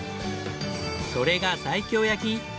それが西京焼き！